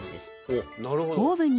なるほど。